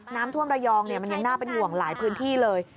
น้ำท่วมระยองมันยังน่าเป็นห่วงหลายพื้นที่เลย